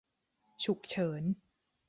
ฉุกเฉิน